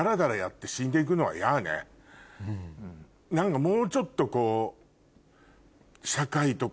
何かもうちょっとこう。